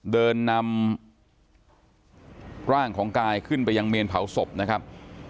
เดินนำร่างของกายขึ้นไปยังเมนเผาศพนะครับ